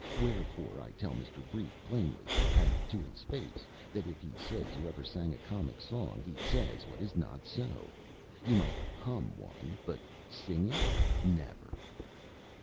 Wherefore I tell Mr. Brief plainly, and to his face, that if he says you ever sang a comic song he says what is not so. You might hum one, but sing it never!"